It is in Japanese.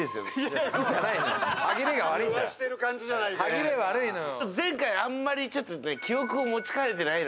歯切れ悪いのよ。